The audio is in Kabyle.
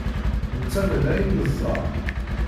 Nettamen ayen nẓerr.